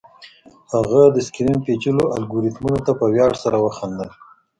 هغه د سکرین پیچلو الګوریتمونو ته په ویاړ سره وخندل